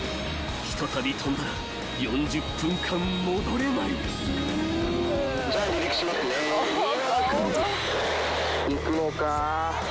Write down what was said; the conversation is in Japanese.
［ひとたび飛んだら４０分間戻れない］うわ来る。